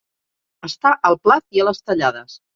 Estar al plat i a les tallades.